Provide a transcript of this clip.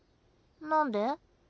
なんで？